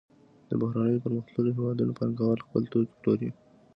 د بهرنیو پرمختللو هېوادونو پانګوال خپل توکي پلوري